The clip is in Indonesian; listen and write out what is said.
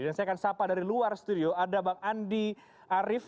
dan saya akan sapa dari luar studio ada bang andi arief